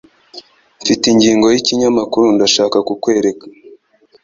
Mfite ingingo yikinyamakuru Ndashaka kukwereka